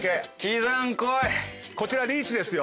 こちらリーチですよ。